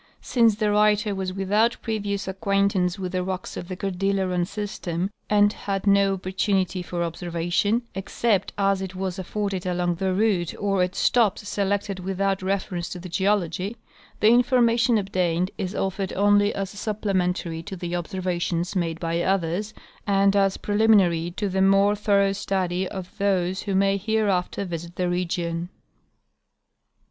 Since the writer was without previous acquaintance with the rocks of the Cordilleran system and had no opportunity for observation, except as it was afforded along the route or at stops selected without reference to the geology, the information obtained is offered only as supplementary to the observations made by others and as preliminary to the more thorough study of those who may hereafter visit the region.